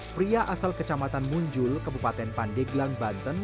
pria asal kecamatan munjul kebupaten pandeglang banten